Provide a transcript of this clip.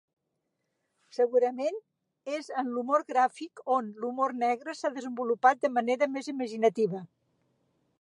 Segurament, és en l'humor gràfic on l'humor negre s'ha desenvolupat de manera més imaginativa.